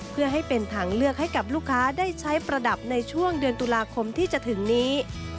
เพื่อให้เป็นทางเลือกให้กับลูกค้าได้ใช้ประดับในช่วงเดือนตุลาคมที่จะถึงนี้